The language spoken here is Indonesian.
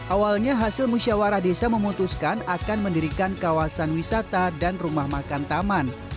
awalnya hasil musyawarah desa memutuskan akan mendirikan kawasan wisata dan rumah makan taman